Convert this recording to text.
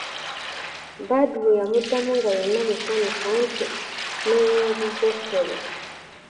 Badru yamuddamu nga yenna musanyufu nti:"neeyanziza ssebo"